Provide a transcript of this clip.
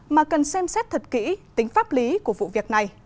mà cần xem xét thật kỹ tính pháp lý của vụ việc này